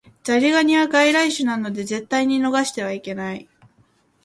ザリガニは外来種なので絶対に逃してはいけない